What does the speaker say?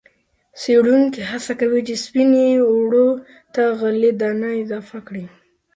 څېړونکي هڅه کوي سپینې اوړو ته غلې- دانه اضافه کړي.